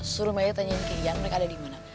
suruh meli tanyain ke ian mereka ada dimana